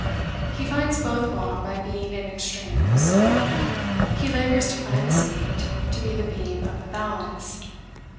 He finds both wrong by being in extremes. He labors to plant his feet, to be the beam of the balance.